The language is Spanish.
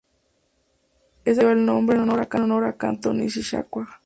Esta especie lleva el nombre en honor a Kanto Nishikawa.